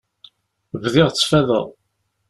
Bdiɣ ttfadeɣ.